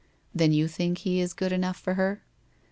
' Then you think he is good enough for her?